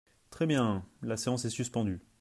Très bien ! La séance est suspendue.